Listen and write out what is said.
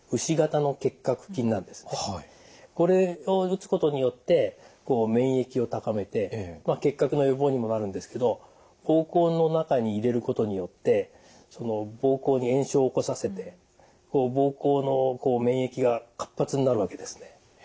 これを打つことによって免疫を高めて結核の予防にもなるんですけど膀胱の中に入れることによって膀胱に炎症を起こさせて膀胱の免疫が活発になるわけですね。